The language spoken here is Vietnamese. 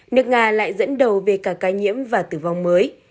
nước nga lại dẫn đầu về cả ca nhiễm và tử vong mới